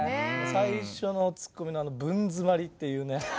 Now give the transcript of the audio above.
最初のツッコミのブン詰まりっていうね。